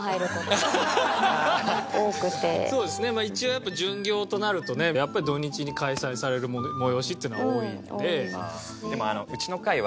一応巡業となるとやっぱり土日に開催される催しっていうのが多いので。